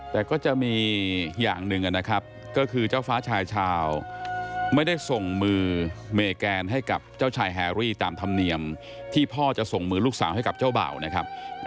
แต่ก็จะมีอย่างหนึ่งนะครับก็คือเจ้าฟ้าชายชาวไม่ได้ส่งมือเมแกนให้กับเจ้าชายแฮรี่ตามธรรมเนียมที่พ่อจะส่งมือลูกสาวให้กับเจ้าบ่าวนะครับ